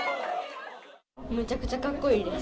むちゃくちゃかっこいいです。